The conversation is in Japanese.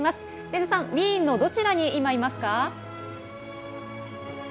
禰津さん、ウィーンのどちらに今、いますか？